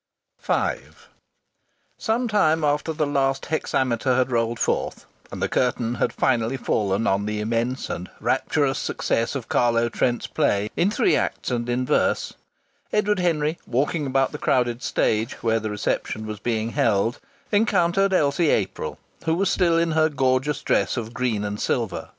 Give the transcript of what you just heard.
V Some time after the last hexameter had rolled forth, and the curtain had finally fallen on the immense and rapturous success of Carlo Trent's play in three acts and in verse, Edward Henry, walking about the crowded stage, where the reception was being held, encountered Elsie April, who was still in her gorgeous dress of green and silver.